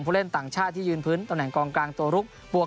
เล่นต่างชาติที่ยืนพื้นตำแหนกองกลางตัวลุกบวก